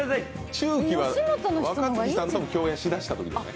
中期は若槻さんとも共演しだしたときですね。